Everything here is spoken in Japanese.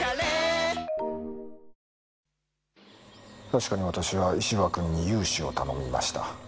確かに私は石場君に融資を頼みました。